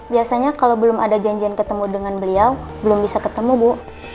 biasanya kalau belum ada janjian ketemu dengan beliau belum bisa ketemu bu